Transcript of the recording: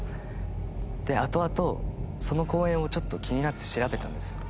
であとあとその公園をちょっと気になって調べたんですよ。